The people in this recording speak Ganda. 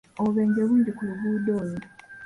Obubeje bungi ku luguudo olwo.